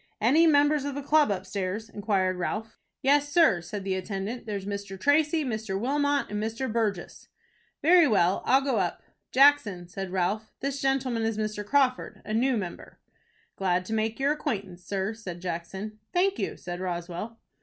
"Any members of the club upstairs?" inquired Ralph. "Yes, sir," said the attendant. "There's Mr. Tracy, Mr. Wilmot, and Mr. Burgess." "Very well, I'll go up." "Jackson," said Ralph, "this gentleman is Mr. Crawford, a new member." "Glad to make your acquaintance, sir," said Jackson. "Thank you," said Roswell.